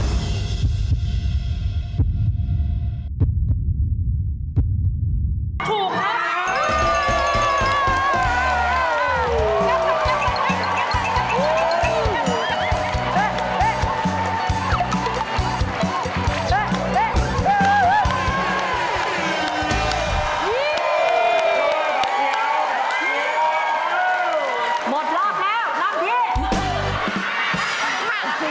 หมดรอบแล้วน้องพี่